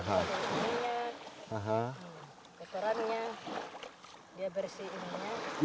ada minyak keterannya dia bersih ini